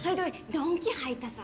ドンキ入ったさ